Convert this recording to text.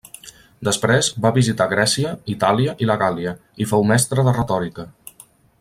Després va visitar Grècia, Itàlia i la Gàl·lia, i fou mestre de retòrica.